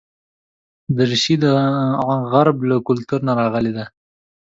دریشي د غرب له کلتور نه راغلې ده.